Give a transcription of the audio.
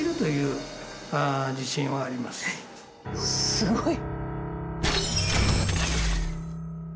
すごい！